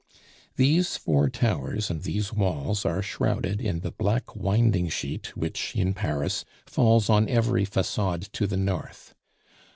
These four towers and these walls are shrouded in the black winding sheet which, in Paris, falls on every facade to the north.